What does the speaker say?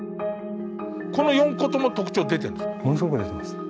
この４個とも特徴出てるんですか？